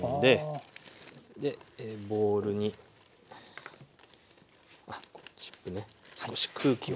ボウルにジップで少し空気を。